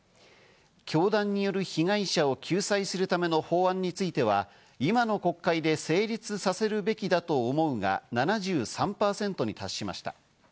教団による被害者を救済するための法案については、今の国会で成立させるべきだと思うが７３％に達しました。